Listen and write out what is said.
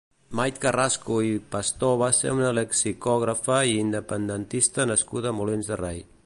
Mait Carrasco i Pastor va ser una lexicògrafa i independentista nascuda a Molins de Rei.